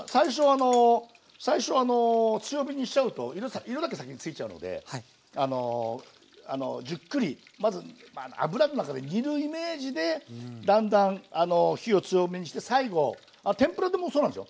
最初あの強火にしちゃうと色だけ先についちゃうのでじっくりまず油の中で煮るイメージでだんだん火を強めにして最後天ぷらでもそうなんですよ。